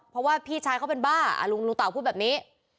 เพราะว่าพี่ชายเขาเป็นบ้าลุงเต่าพูดแบบนี้